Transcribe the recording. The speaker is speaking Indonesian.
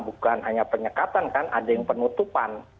bukan hanya penyekatan kan ada yang penutupan